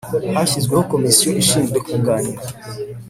Hashyizweho Komisiyo ishinzwe kunganira